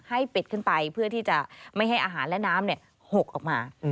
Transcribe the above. ให้ปิดขึ้นไปเพื่อที่จะไม่ให้อาหารและน้ำหกออกมา